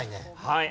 はい。